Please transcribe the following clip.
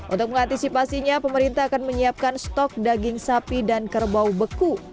untuk mengantisipasinya pemerintah akan menyiapkan stok daging sapi dan kerbau beku